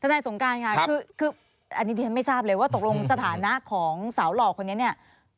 อันนี้ที่ไม่ทราบเลยว่าตกลงสถานะของสาวหรอกคนนี้